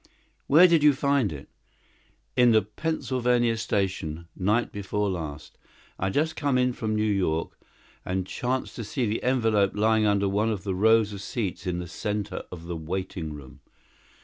"Where did you find it?" "In the Pennsylvania station, night before last. I had just come in from New York, and chanced to see the envelope lying under one of the rows of seats in the center of the waiting room.